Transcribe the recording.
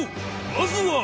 まずは